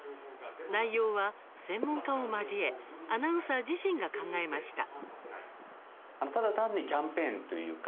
内容は専門家を交えアナウンサー自身が考えました。